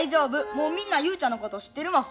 もうみんな雄ちゃんのこと知ってるもん。